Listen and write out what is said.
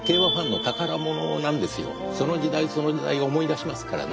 その時代その時代を思い出しますからね。